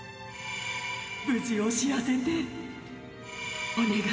「無事を知らせて」「お願い。